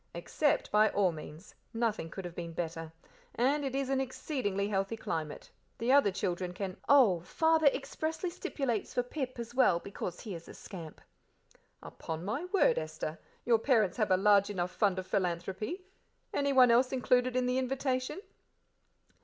"Accept by all means; nothing could have been better; and it is an exceedingly healthy climate. The other children can " "Oh, Father expressly stipulates for Pip as well, because he is a scamp." "Upon my word, Esther, your parents have a large enough fund of philanthropy. Anyone else included in the invitation?"